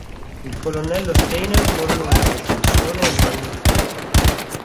Il colonnello Steiner non rinuncia alla sua missione e rimane in Inghilterra.